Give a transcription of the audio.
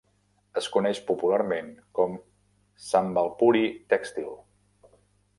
Es coneix popularment com Sambalpuri Textile.